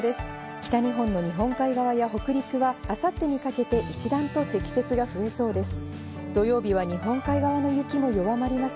北日本の日本海側や北陸は、あさってにかけて一段と積雪が増えそうです。